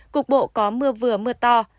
cục bộ có mưa vừa mưa to